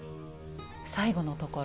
最後のところ。